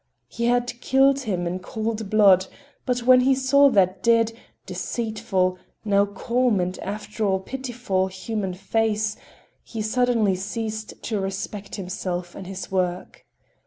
He had killed him in cold blood, but when he saw that dead, deceitful, now calm, and after all pitiful, human face, he suddenly ceased to respect himself and his work.